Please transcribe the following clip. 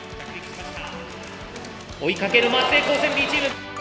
追いかける松江高専Ｂチーム。